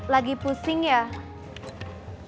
lagi pusing ya